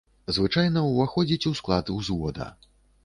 Звычайна ўваходзіць у склад узвода.